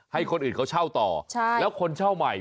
ให้คนอื่นเขาเช่าต่อแล้วคนเช่าใหม่